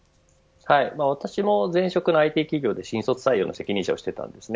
私も前職のＩＴ企業で新卒採用の責任者をしていました。